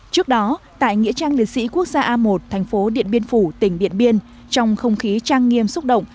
trước đó tại nghĩa trang liệt sĩ quốc gia a một thành phố điện biên phủ tỉnh điện biên trong không khí trang nghiêm xúc động